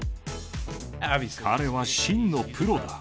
彼は真のプロだ。